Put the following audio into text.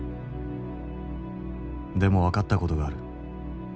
でも分かった事がある。